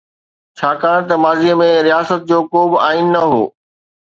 ڇاڪاڻ ته ماضي ۾ رياست جو ڪوبه آئين نه هو.